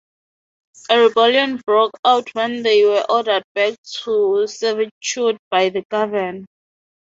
A rebellion broke out when they were ordered back to servitude by the Governor.